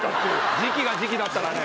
時期が時期だったらね。